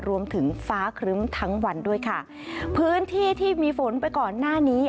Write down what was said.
รวมถึงฟ้าครึ้มทั้งวันด้วยค่ะพื้นที่ที่มีฝนไปก่อนหน้านี้